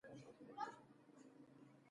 د شورا وکيل يې خائن وو.